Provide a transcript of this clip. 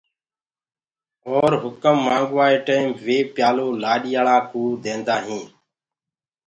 اور هُڪم منگوآ ٽيم وو پيآلو لآڏاݪا ڪوٚ ديندآ هينٚ۔